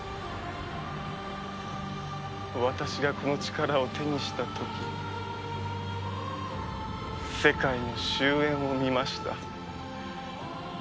私がこの力を手にした時世界の終焉を見ました。